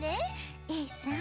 Ａさん